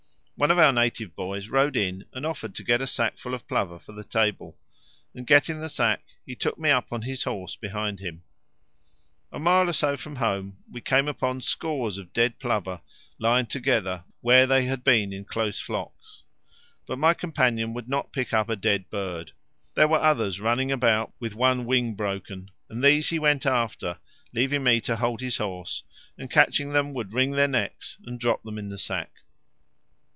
One of our native boys rode in and offered to get a sackful of plover for the table, and getting the sack he took me up on his horse behind him. A mile or so from home we came upon scores of dead plover lying together where they had been in close flocks, but my companion would not pick up a dead bird. There were others running about with one wing broken, and these he went after, leaving me to hold his horse, and catching them would wring their necks and drop them in the sack.